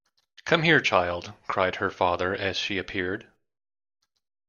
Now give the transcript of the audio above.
“Come here, child,” cried her father as she appeared.